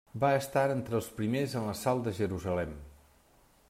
Va estar entre els primers en l'assalt de Jerusalem.